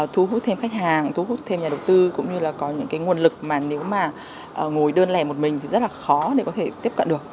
thu hút thêm khách hàng thu hút thêm nhà đầu tư cũng như là có những cái nguồn lực mà nếu mà ngồi đơn lẻ một mình thì rất là khó để có thể tiếp cận được